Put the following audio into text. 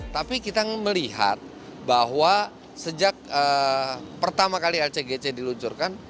tapi kita melihat bahwa sejak pertama kali lcgc diluncurkan